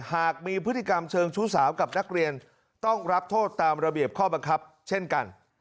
หากมีพฤติกรรมเชิงชู้สาวกับนักเรียนต้องรับโทษตามระเบียบข้อบังคับเช่นกัน